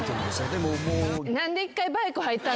でももう。